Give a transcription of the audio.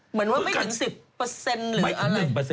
เหมือนว่าไม่ถึง๑๐หรืออะไรไม่ถึง๑